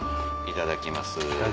いただきます。